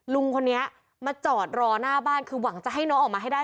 ลุงคนนี้มาจอดรอหน้าบ้านคือหวังจะให้น้องออกมาให้ได้